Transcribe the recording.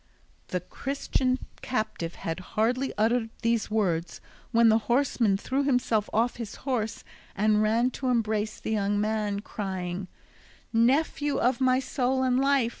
The Christian captive had hardly uttered these words, when the horseman threw himself off his horse, and ran to embrace the young man, crying: "Nephew of my soul and life!